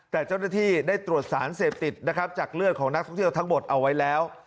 แต่เจ้าหน้าที่ได้ตรวจสารเสพติดนะครับจากเลือดของนักท่องเที่ยวทั้งหมดเอาไว้แล้ว